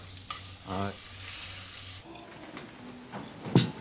はい。